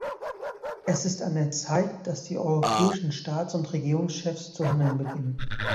Es ist an der Zeit, dass die europäischen Staats- und Regierungschefs zu handeln beginnen.